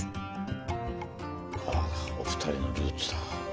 ああお二人のルーツだ。